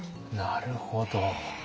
なるほど。